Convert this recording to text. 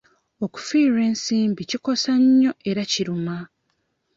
Okufiirwa ensimbi kikosa nnyo era kiruma.